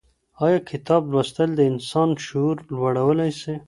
آيا کتاب لوستل د انسان شعور لوړولی سي؟